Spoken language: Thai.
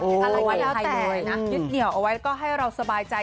อะไรก็แล้วแต่นะยึดเหนียวเอาไว้แล้วก็ให้เราสบายใจ